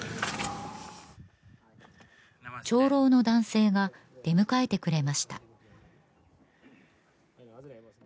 長老の男性が出迎えてくれました